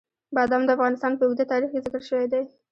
بادام د افغانستان په اوږده تاریخ کې ذکر شوی دی.